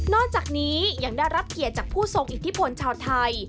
จากนี้ยังได้รับเกียรติจากผู้ทรงอิทธิพลชาวไทย